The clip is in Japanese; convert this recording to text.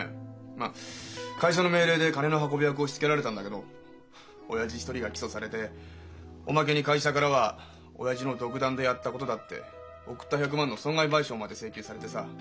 まあ会社の命令で金の運び役を押しつけられたんだけど親父一人が起訴されておまけに会社からは親父の独断でやったことだって贈った１００万の損害賠償まで請求されてさ。